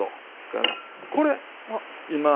これ今。